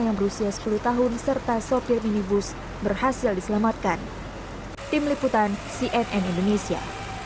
yang berusia sepuluh tahun serta sopir minibus berhasil diselamatkan tim liputan cnn indonesia